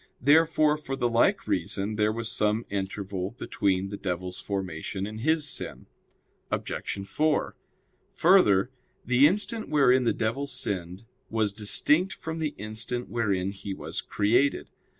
Therefore, for the like reason there was some interval between the devil's formation and his sin. Obj. 4: Further, the instant wherein the devil sinned was distinct from the instant wherein he was created.